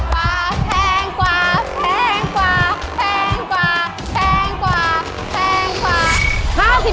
แพงกว่าแพงกว่าแพงกว่าแพงกว่าแพงกว่า